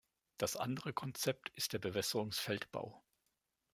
Das andere Konzept ist der "Bewässerungsfeldbau".